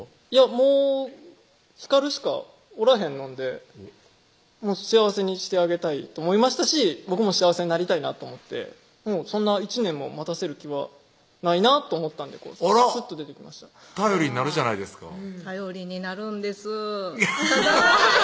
もうひかるしかおらへんのんでもう幸せにしてあげたいと思いましたし僕も幸せになりたいなと思ってそんな１年も待たせる気は無いなと思ったんですっと出てきました頼りになるじゃないですか頼りになるんです